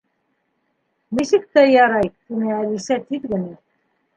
—Нисек тә ярай, —тине Әлисә тиҙ генә.